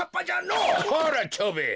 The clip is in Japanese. こら蝶兵衛！